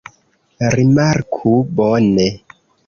Rimarku bone.